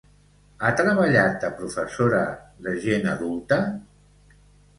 Ha treballat de professora de gent adulta?